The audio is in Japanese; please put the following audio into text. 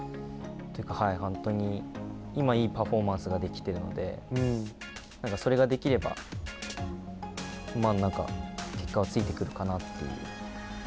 本当に、今いいパフォーマンスができているのでそれができれば、結果はついてくるかなという。